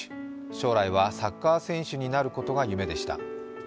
将来はサッカー選手になることが夢でした。